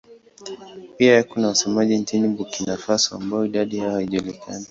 Pia kuna wasemaji nchini Burkina Faso ambao idadi yao haijulikani.